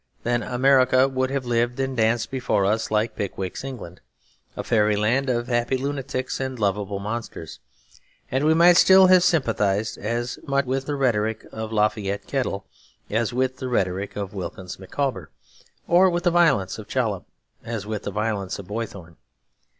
Then America would have lived and danced before us like Pickwick's England, a fairyland of happy lunatics and lovable monsters, and we might still have sympathised as much with the rhetoric of Lafayette Kettle as with the rhetoric of Wilkins Micawber, or with the violence of Chollop as with the violence of Boythorn.